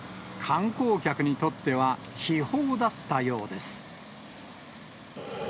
観光客にとっては、悲報だったようです。